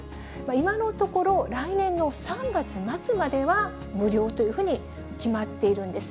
今のところ、来年の３月末までは無料というふうに決まっているんです。